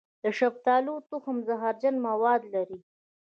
د شفتالو تخم زهرجن مواد لري.